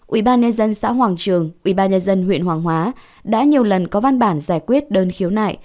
ubnd xã hoàng trường ubnd huyện hoàng hóa đã nhiều lần có văn bản giải quyết đơn khiếu nại